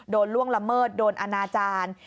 ล่วงละเมิดโดนอนาจารย์